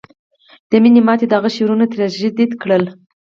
د مینې ماتې د هغه شعرونه تراژیدي کړل